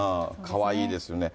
かわいいですね。